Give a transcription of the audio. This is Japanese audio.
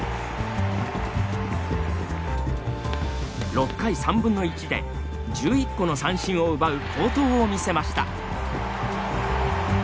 ６回３分の１で１１個の三振を奪う好投を見せました。